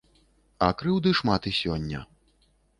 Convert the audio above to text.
А крыўды шмат і сёння.